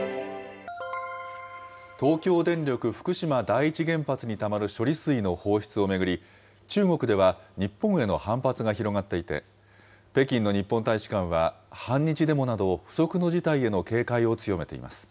東京電力福島第一原発にたまる処理水の放出を巡り、中国では、日本への反発が広がっていて、北京の日本大使館は反日デモなど不測の事態への警戒を強めています。